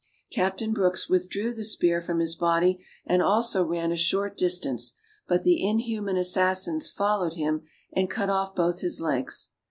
Captain Brooks withdrew the spear from his body, and also ran a short distance, but the inhuman assassins followed him and cut off both his legs.